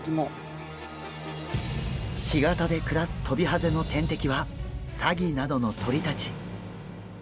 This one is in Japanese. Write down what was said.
干潟で暮らすトビハゼの天敵はサギなどの鳥たち。